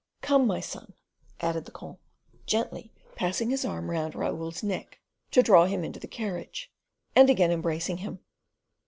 "Come, my son," added the comte, gently passing his arm around Raoul's neck to draw him into the carriage, and again embracing him.